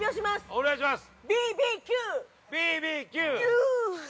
◆お願いします！